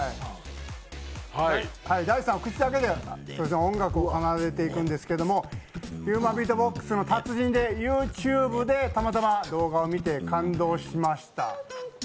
Ｄａｉｃｈｉさんは口だけで音楽を奏でていくんですけどヒューマンビートボックスの達人で、ＹｏｕＴｕｂｅでたまたま動画を見て感動しました。